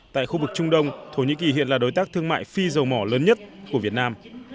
tại khu vực trung đông thổ nhĩ kỳ hiện là đối tác thương mại phi dầu mỏ lớn nhất của việt nam